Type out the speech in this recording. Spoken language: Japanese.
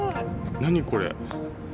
何これ。